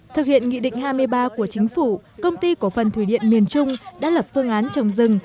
thực hiện nghị định hai mươi ba của chính phủ công ty cổ phần thủy điện miền trung đã lập phương án trồng rừng